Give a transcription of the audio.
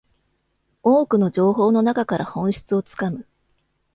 多くの情報の中から本質をつかむ